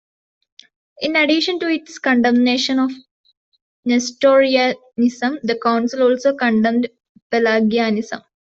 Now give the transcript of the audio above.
In addition to its condemnation of Nestorianism, the council also condemned Pelagianism.